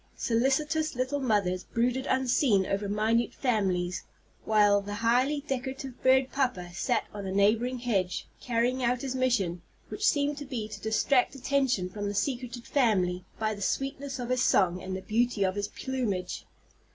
Solicitous little mothers brooded unseen over minute families, while the highly decorative bird papa sat on a neighboring hedge, carrying out his mission, which seemed to be to distract attention from the secreted family by the sweetness of his song and the beauty of his plumage.